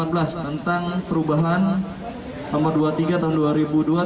tentang perubahan nomor dua puluh tiga tahun dua ribu dua